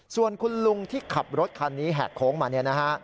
ส่วนคุณลุงที่ขับรถคันนี้แหกโค้งมาเนี่ยนะฮะ